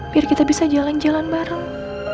biar kita bisa jalan jalan bareng